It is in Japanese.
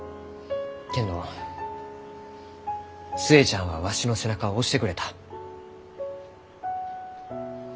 けんど寿恵ちゃんはわしの背中を押してくれた。